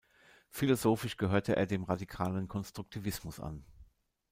Philosophisch gehörte er dem radikalen Konstruktivismus an.